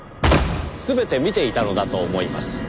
全て見ていたのだと思います。